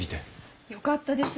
よかったです。